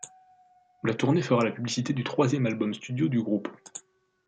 La tournée fera la publicité du troisième album studio du groupe.